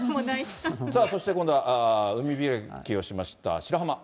さあそして、今度は海開きをしました白浜。